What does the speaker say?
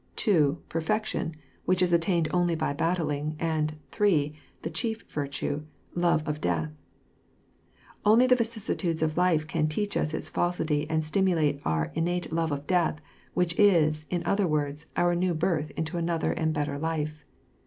" (2) Phfectiorif which Is attained only by battling, and (3) The chief virtue, — Love of death, '* Only the vicissitudes of life can teach us its falsity and stimulate onr innate love of death; which is, in other words, our new birth into another and better life."